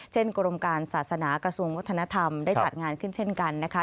กรมการศาสนากระทรวงวัฒนธรรมได้จัดงานขึ้นเช่นกันนะคะ